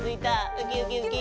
ウキウキウキ。